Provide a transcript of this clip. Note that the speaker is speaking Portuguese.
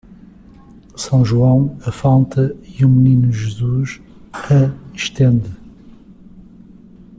São João a falta e o Menino Jesus a estende.